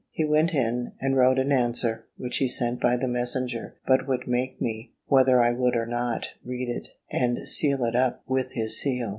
He went in, and wrote an answer, which he sent by the messenger; but would make me, whether I would or not, read it, and seal it up with his seal.